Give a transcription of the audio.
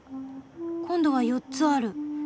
・今度は４つある。